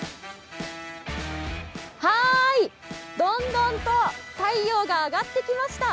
どんどんと太陽が上がってきました。